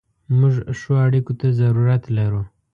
موږ ښو اړیکو ته ضرورت لرو.